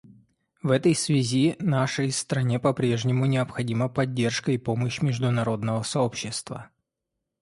В этой связи нашей стране по-прежнему необходима поддержка и помощь международного сообщества.